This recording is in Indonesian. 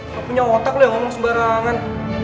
kamu punya otak lu yang ngomong sembarangan